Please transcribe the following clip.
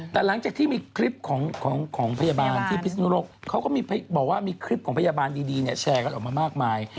แต่หลังจากที่มีคลิปของพยาบาลที่พิศนุโลกเขาก็บอกว่ามีคลิปของพยาบาลดีเนี่ยแชร์กันออกมามากมาย